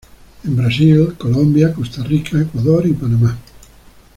En Brasil, Colombia, Costa Rica, Ecuador y Panamá.